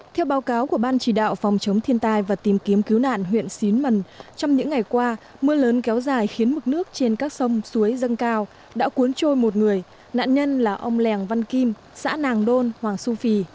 theo báo cáo của ban chỉ đạo phòng chống thiên tai và tìm kiếm cứu nạn huyện xín mần trong những ngày qua mưa lớn kéo dài khiến mực nước trên các sông suối dâng cao đã cuốn trôi một người nạn nhân là ông lèng văn kim xã nàng đôn hoàng su phi